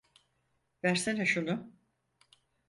Versene şunu.